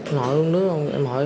hỏi uống nước không em hỏi